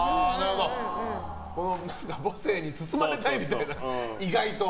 母性に包まれたいみたいな意外と。